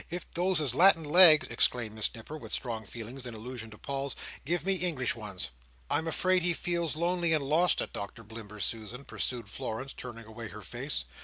If those is Latin legs," exclaimed Miss Nipper, with strong feeling—in allusion to Paul's; "give me English ones." "I am afraid he feels lonely and lost at Doctor Blimber's, Susan," pursued Florence, turning away her face.